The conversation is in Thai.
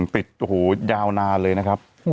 ติดโอ้โหยาวนานเลยนะครับ